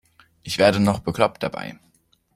Ich werde noch bekloppt dabei.